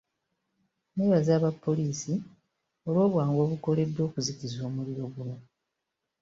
Neebaza aba poliisi olw'obwangu obukoleddwa okuzikiza omuliro guno.